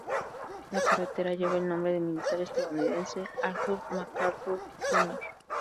La carretera lleva el nombre de militar estadounidense Arthur MacArthur, Jr.